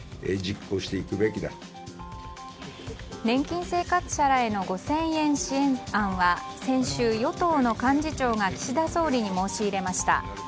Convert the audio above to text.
年金生活者らへの５０００円支援案は先週、与党の幹事長が岸田総理に申し入れました。